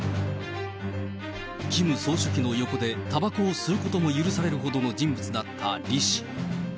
キム総書記の横でたばこを吸うことも許されるほどの人物だったリ氏。